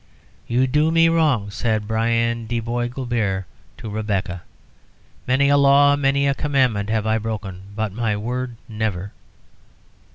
"You do me wrong," said Brian de Bois Guilbert to Rebecca. "Many a law, many a commandment have I broken, but my word, never."